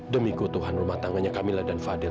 demiku tuhan rumah tangganya kamila dan fadil